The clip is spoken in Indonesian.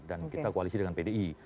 dan kita koalisi dengan pdi